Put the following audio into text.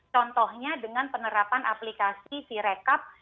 contohnya dengan penerapan aplikasi sirekap